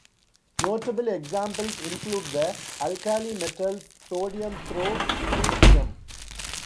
Notable examples include the alkali metals sodium through caesium.